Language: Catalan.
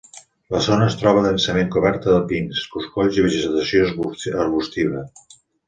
La zona es troba densament coberta de pins, coscolls i vegetació arbustiva.